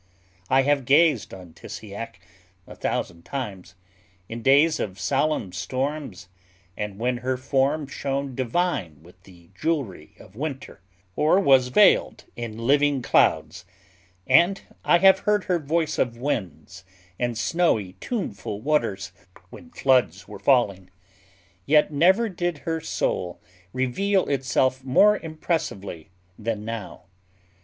I have gazed on Tissiack a thousand times—in days of solemn storms, and when her form shone divine with the jewelry of winter, or was veiled in living clouds; and I have heard her voice of winds, and snowy, tuneful waters when floods were falling; yet never did her soul reveal itself more impressively than now.